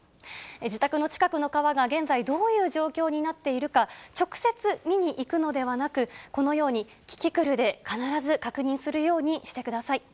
自宅の近くの川が現在、どういう状況になっているか、直接見に行くのではなく、このように、キキクルで必ず確認するようにしてください。